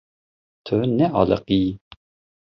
Tu nealiqiyî.